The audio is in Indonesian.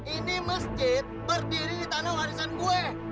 ini masjid berdiri di tanah warisan gue